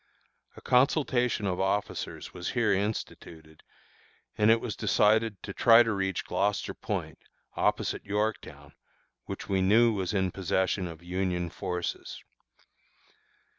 A consultation of officers was here instituted, and it was decided to try to reach Gloucester Point, opposite Yorktown, which we knew was in possession of Union forces.